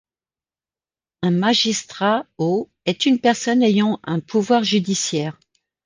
Un magistrat au est une personne ayant un pouvoir judiciaire.